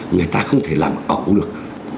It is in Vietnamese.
người ta không thể làm ổn được